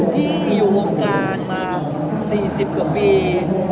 ที่อยู่วงการมา๔๐กว่าปี